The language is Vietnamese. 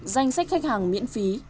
danh sách khách hàng miễn phí